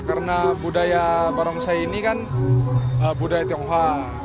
karena budaya barongsa ini kan budaya tionghoa